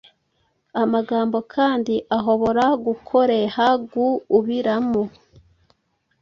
amagambo kandi ahobora gukoreha guubiramo